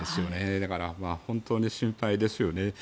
だから、本当に心配ですね。